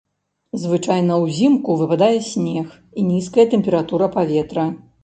Звычайна ўзімку выпадае снег і нізкая тэмпература паветра.